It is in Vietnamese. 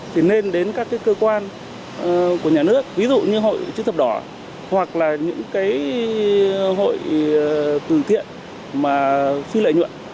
thì nên đến các cái cơ quan của nhà nước ví dụ như hội chữ thập đỏ hoặc là những cái hội từ thiện mà phi lợi nhuận